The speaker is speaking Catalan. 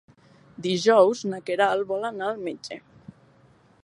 Dijous na Queralt vol anar al metge.